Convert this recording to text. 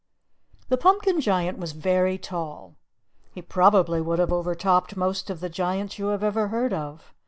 The Pumpkin Giant was very tall; he probably would have overtopped most of the giants you have ever heard of.